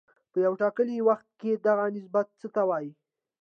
په یو ټاکلي وخت کې دغه نسبت ته څه وايي